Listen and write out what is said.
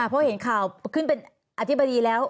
เพราะเห็นข่าวขึ้นเป็นอธิบดีแล้ว